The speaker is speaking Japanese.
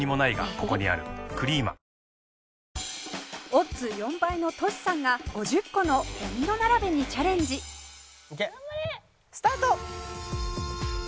オッズ４倍のトシさんが５０個のドミノ並べにチャレンジスタート！